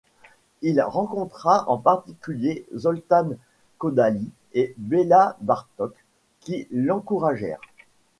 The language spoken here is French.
Il rencontra en particulier Zoltán Kodály et Béla Bartók qui l'encouragèrent.